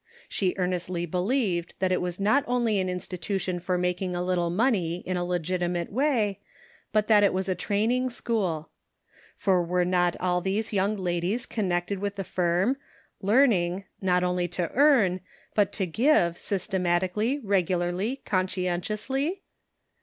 She earnestly believed that it was not only an institution for making a little money in a legitimate way, but that it was a training school. For were not all these young ladies connected with the firm, learning, not only to 326 The Pocket Measure* earn, but to give, systematically, regularly, conscientiously